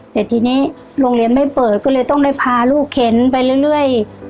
แต่ทีนี้โรงเรียนไม่เปิดก็เลยต้องได้พาลูกเข็นไปเรื่อย